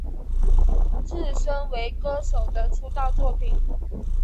自身为歌手的出道作品。